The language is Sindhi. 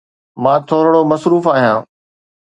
مان ٿورڙو مصروف آهيان.